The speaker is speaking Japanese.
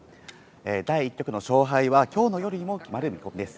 第１局の勝敗はきょうの夜にも決まる見込みです。